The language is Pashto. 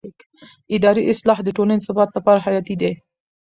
اداري اصلاح د ټولنې ثبات لپاره حیاتي دی